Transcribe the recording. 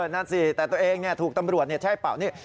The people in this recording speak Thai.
นั่นสิแต่ตัวเองถูกตำรวจใช้เป่านี่